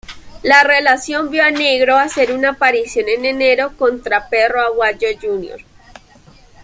La relación vio a Negro hacer una aparición en enero contra Perro Aguayo Jr.